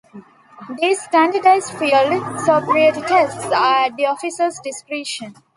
These "standardized field sobriety tests" are at the officer's discretion.